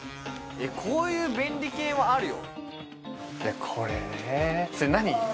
こういう便利系はあるよ